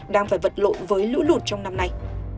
đang phải vật lộn với lũ lụt trong năm nay